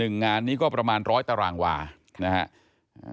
๑งานนี้ก็ประมาณ๑๐๐ตารางวานะครับ